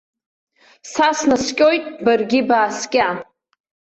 Са снаскьоит, баргьы бааскьа.